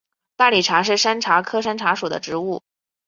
大理茶是山茶科山茶属的植物。